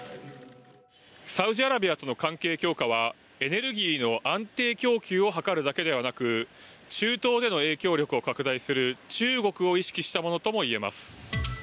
サウジアラビアとの関係強化はエネルギーの安定供給を図るだけでなく中東での影響力を拡大する中国を意識したものともいえます。